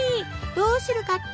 どうするかって？